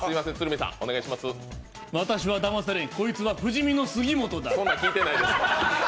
私はだまされんこいつは不死身の杉元だ。